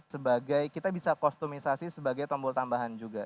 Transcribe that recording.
sebagai kita bisa kostumisasi sebagai tombol tambahan juga